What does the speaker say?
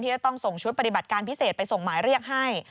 จะต้องส่งชุดปฏิบัติการพิเศษไปส่งหมายเรียกให้